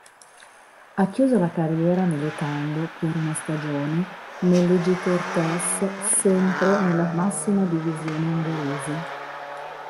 Ha chiuso la carriera militando per una stagione nell'Egyetértés, sempre nella massima divisione ungherese.